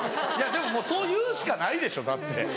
でもそう言うしかないでしょだって。